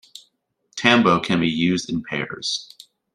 Tambo can be used in pairs.